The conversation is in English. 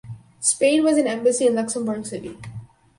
Spain has an embassy in Luxembourg City.